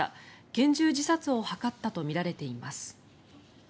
拳銃自殺を図ったとみられています。